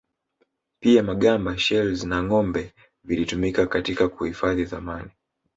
Pia magamba shells na ngombe vilitumika katika kuhifadhi thamani